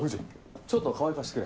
ちょっと川合貸してくれ。